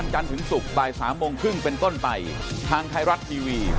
ใช่ไหมครับ